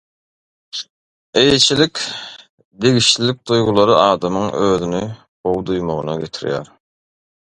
Eýeçilik, degişlilik duýgulary adamyň özüni gowy duýmagyna getirýär.